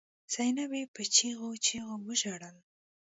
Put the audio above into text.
زينبې په چيغو چيغو وژړل.